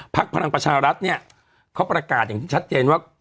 พลังประชารัฐเนี่ยเขาประกาศอย่างที่ชัดเจนว่า